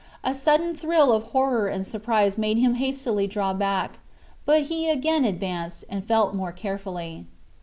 A sudden thrill of horror and surprise made him hastily draw back, but he again advanced and felt more carefully.